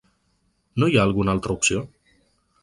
No hi ha alguna altra opció?